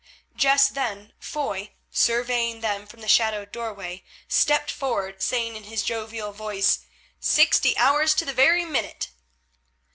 Just then Foy, surveying them from the shadowed doorway, stepped forward, saying in his jovial voice: "Sixty hours to the very minute."